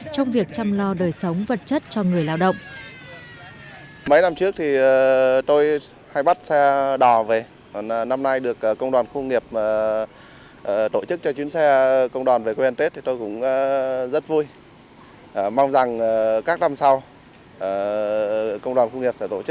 trong việc chăm lo đời sống vật chất cho người lao động